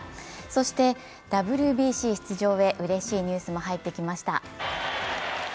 そしてＷＢＣ出場へうれしいニュースも入ってきました。